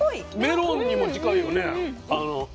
メロンにも近いよね。